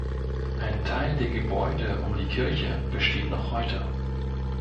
Ein Teil der Gebäude um die Kirche besteht noch heute.